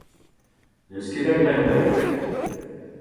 N'eus ket da glemm neuze !